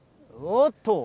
おっと。